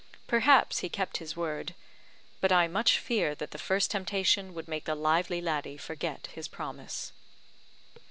Perhaps he kept his word; but I much fear that the first temptation would make the lively laddie forget his promise.